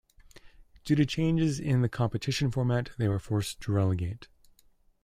Due to changes in the competition-format, they were forced to relegate.